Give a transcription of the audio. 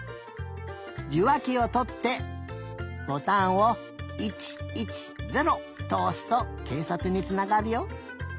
じゅわきをとってボタンを１１０とおすとけいさつにつながるよ。